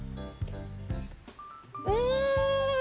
うん！